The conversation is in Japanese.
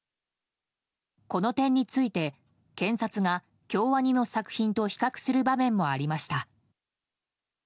この点について検察が京アニの作品と比較する場面もありました。